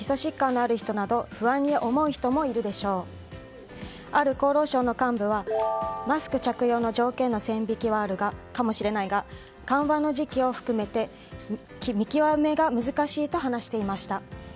ある厚労省の幹部はマスク着用の条件の線引きはあるかもしれないが緩和の時期を含めて、見極めが難しいと話していました。